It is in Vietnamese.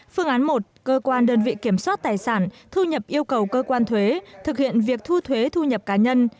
phương án một cơ quan đơn vị kiểm soát tài sản thu nhập yêu cầu cơ quan thuế thực hiện việc thu thuế thu nhập cá nhân